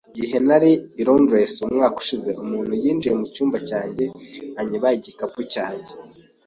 Igihe nari i Londres umwaka ushize, umuntu yinjiye mucyumba cyanjye anyiba igikapu cyanjye.